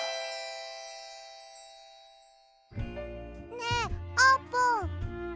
ねえあーぷん